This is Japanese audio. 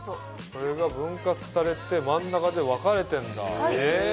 これが分割されて真ん中で分かれてんだへぇ！